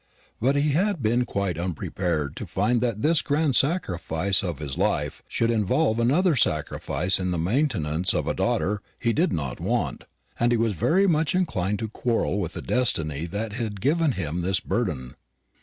But he had been quite unprepared to find that this grand sacrifice of his life should involve another sacrifice in the maintenance of a daughter he did not want; and he was very much inclined to quarrel with the destiny that had given him this burden.